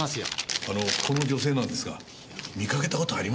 あのこの女性なんですが見かけたことありませんかね？